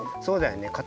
そうだよね。